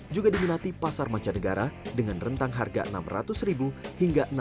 juga diminati pasar mancanegara dengan rentang harga rp enam ratus hingga rp enam puluh